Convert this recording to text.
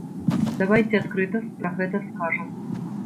Давайце адкрыта пра гэта скажам!